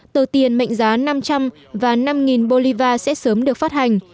tờ tiền mệnh giá năm trăm linh và năm bolivar sẽ sớm được phát hành